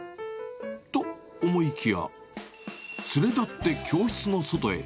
と、思いきや、連れ立って教室の外へ。